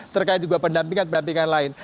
terkait juga pendampingan pendampingan lain